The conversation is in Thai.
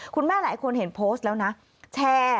คุณแม่หลายคนเห็นโพสต์แล้วนะ